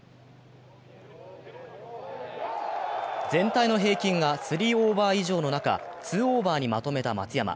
全体の平均が３オーバー以上の中、２オーバーにまとめた松山。